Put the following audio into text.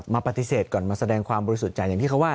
มาปฏิเสธก่อนมาแสดงความบริสุทธิ์ใจอย่างที่เขาว่า